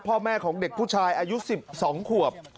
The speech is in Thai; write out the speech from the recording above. พ่อแม่ของเด็กผู้ชายอายุ๑๒ขวบ